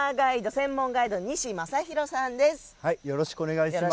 よろしくお願いします。